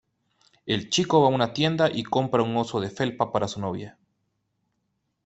El chico va una tienda y compra un oso de felpa para su novia.